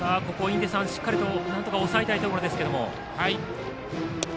しっかりとなんとか抑えたいところですけども。